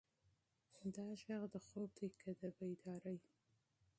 دا غږ د خوب دی که د بیدارۍ؟